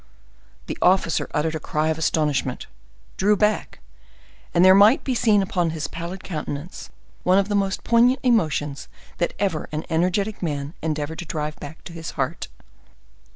The officer uttered a cry of astonishment, drew back, and there might be seen upon his pallid countenance one of the most poignant emotions that ever an energetic man endeavored to drive back to his heart.